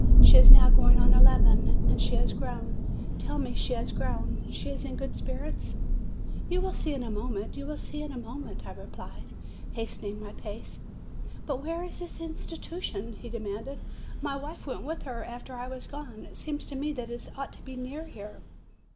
She is now going on eleven. And she has grown? Tell me, she has grown? She is in good spirits?" "You will see in a moment, you will see in a mo ment/' I replied, hastening my pace. "But where is this institution ?" he demanded. "My wife went with her after I was gone. It seems to me that it ought to be near here."